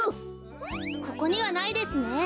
ここにはないですね。